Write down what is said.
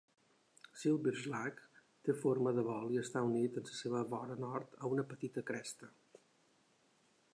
Silberschlag té forma de bol i està unit en la seva vora nord a una petita cresta.